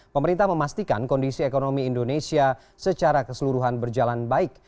pemerintah memastikan kondisi ekonomi indonesia secara keseluruhan berjalan baik